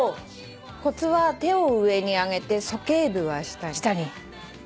コツは手を上に上げて鼠径部は下に。